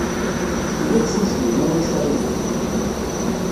Cwiya n tsusmi, ma ulac aɣilif.